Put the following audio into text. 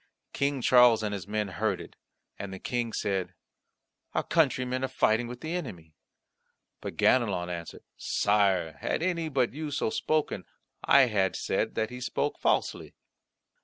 King Charles and his men heard it, and the King said, "Our countrymen are fighting with the enemy." But Ganelon answered, "Sire, had any but you so spoken, I had said that he spoke falsely."